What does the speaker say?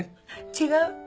違う？